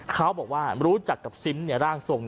เขาบอกว่ารู้จักกับซิมในร่างทรง